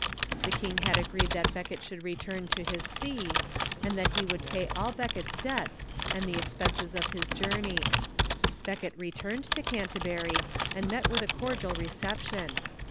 The king had agreed that Becket should return to his see, and that he would pay all Becket's debts and the expenses of his journey. Becket returned to Canterbury, and met with a cordial reception.